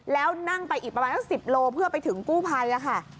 แล้วนั่งไปอีกประมาณสัก๑๐โลเพื่อไปถึงกู้ภัยค่ะ